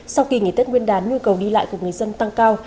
sau kỳ nghỉ tết nguyên đán nhu cầu đi lại của người dân tăng cao